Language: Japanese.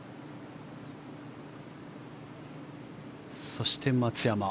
そして、松山。